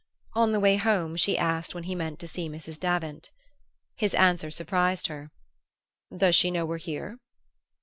On the way home she asked when he meant to see Mrs. Davant. His answer surprised her. "Does she know we're here?"